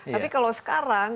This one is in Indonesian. tapi kalau sekarang